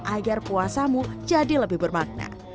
agar puasamu jadi lebih bermakna